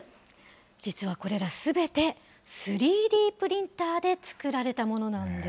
実はこれらすべて、３Ｄプリンターで作られたものなんです。